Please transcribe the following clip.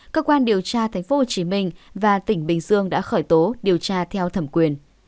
cơ quan điều tra tp hcm và tỉnh bình dương đã khởi tố điều tra theo thẩm quyền